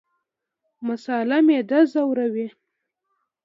مساله معده ځوروي